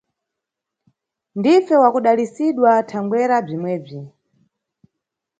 Ndife wa kudalisidwa thangwera bzimwebzi